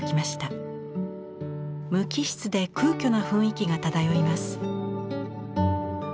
無機質で空虚な雰囲気が漂います。